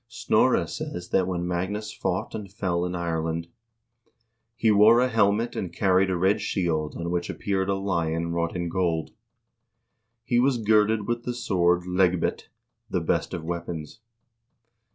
Snorre says that when Magnus fought and fell in Ireland, " he wore a helmet, and carried a red shield on which appeared a lion wrought in gold. He was girded with the sword 'Leggbit,' the best of weapons.